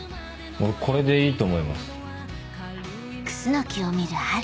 俺これでいいと思います。